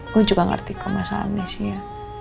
gue juga ngerti kemasalahan amnesia